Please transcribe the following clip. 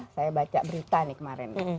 saya baca berita nih kemarin